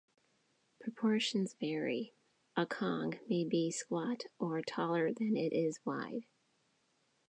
Proportions vary - a "cong" may be squat or taller than it is wide.